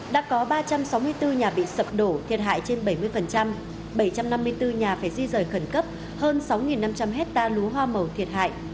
đã có ba trăm sáu mươi bốn nhà bị sập đổ thiệt hại trên bảy mươi bảy trăm năm mươi bốn nhà phải di rời khẩn cấp hơn sáu năm trăm linh hectare lúa hoa màu thiệt hại